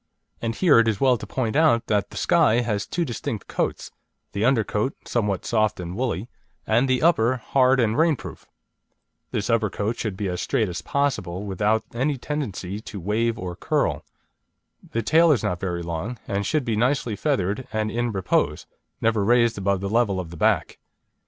And here it is well to point out that the Skye has two distinct coats: the under coat, somewhat soft and woolly, and the upper, hard and rain proof. This upper coat should be as straight as possible, without any tendency to wave or curl. The tail is not very long, and should be nicely feathered, and in repose never raised above the level of the back.